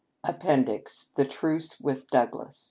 H. APPENDIX. 621 THE TRUCE WITH DOUGLAS.